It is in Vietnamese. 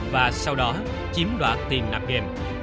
và sau đó chiếm đoạt tiền nạp game